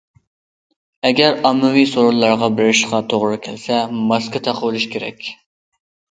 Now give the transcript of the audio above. ئەگەر ئاممىۋى سورۇنلارغا بېرىشقا توغرا كەلسە، ماسكا تاقىۋېلىشى كېرەك.